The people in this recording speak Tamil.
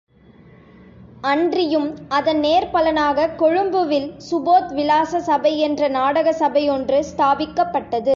அன்றியும் அதன் நேர்பலனாகக் கொழும்பில், சுபோத் விலாச சபையென்ற நாடக சபையொன்று ஸ்தாபிக்கப்பட்டது.